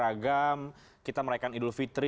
kita beragam kita meraihkan idul fitri